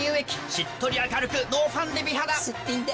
しっとり明るくノーファンデ美肌すっぴんで。